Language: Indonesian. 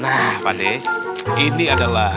nah pade ini adalah